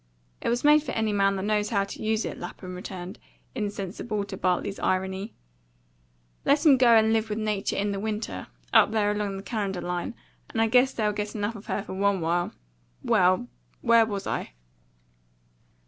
"It was made for any man that knows how to use it," Lapham returned, insensible to Bartley's irony. "Let 'em go and live with nature in the WINTER, up there along the Canada line, and I guess they'll get enough of her for one while. Well where was I?"